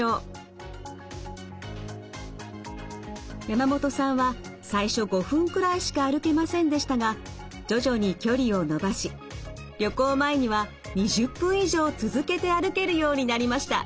山本さんは最初５分くらいしか歩けませんでしたが徐々に距離を伸ばし旅行前には２０分以上続けて歩けるようになりました。